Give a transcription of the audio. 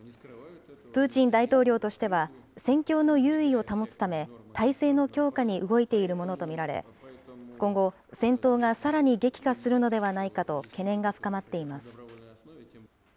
プーチン大統領としては戦況の優位を保つため、態勢の強化に動いているものと見られ、今後、戦闘がさらに激化するのではないかと懸念が深まっています。